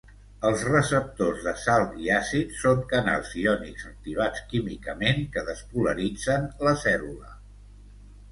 Els receptors de salt i àcid són canals iònics activats químicament que despolaritzen la cèl·lula.